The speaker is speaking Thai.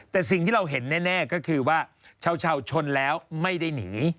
แต่สิ่งที่เราเห็นแน่ก็คือว่าชาวชนแล้วไม่ได้หนี